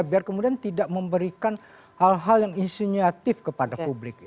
biar kemudian tidak memberikan hal hal yang isinyatif kepada publik